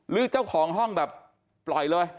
หรือเจ้าของห้องแบบปล่อยเลย